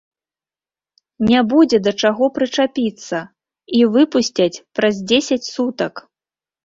Не будзе да чаго прычапіцца, і выпусцяць праз дзесяць сутак!